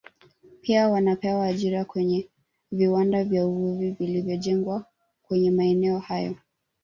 Pia wanapewa ajira kwenye viwanda vya uvuvi vilivyojengwa kwenye maeneo hayo